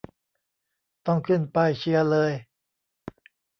ต้องขึ้นป้ายเชียร์เลย